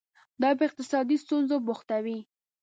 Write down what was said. دا په اقتصادي ستونزو بوختوي.